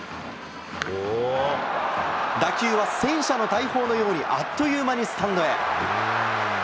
打球は戦車の大砲のように、あっという間にスタンドへ。